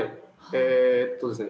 えっとですね